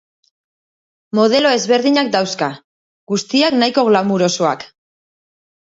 Modelo ezberdinak dauzka, guztiak nahiko glamourosoak.